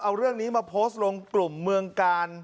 เอาเรื่องนี้มาโพสต์ลงกลุ่มเมืองกาล